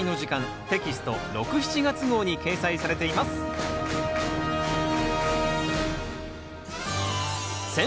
テキスト６・７月号に掲載されています選